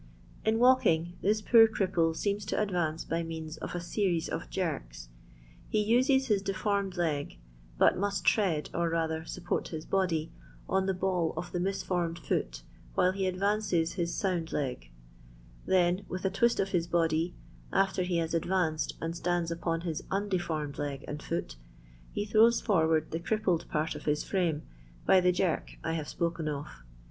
In walking this poor cripple seems to adTance by means of a series of jerks. He uses his defi»rm«d leg, but must tread, or rather support his body, on the ball of the misformed foot, while be adtances his sound leg; then, with a twist of bis body, after he has adranced and stands upon his undefbrmed leg and foot, he throws forward the crippled part of his frame by the jerk I hare spoken of.